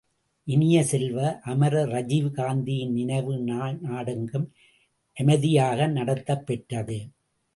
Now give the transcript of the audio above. இனிய செல்வ, அமரர் ராஜீவ் காந்தியின் நினைவு நாள் நாடெங்கும் அமைதியாக நடத்தப்பெற்றது.